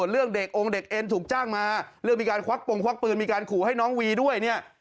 เรื่องมีการควักปงควักปืนมีการขู่ให้น้องวีด้วยเนี่ย